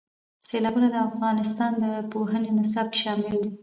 سیلابونه د افغانستان د پوهنې نصاب کې شامل دي.